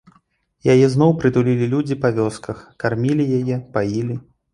Яе зноў прытулілі людзі па вёсках, кармілі яе, паілі.